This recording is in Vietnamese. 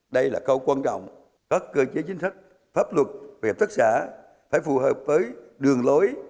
đây là câu quan trọng các cơ chế chính sách pháp luật về hợp tác xã phải phù hợp với đường lối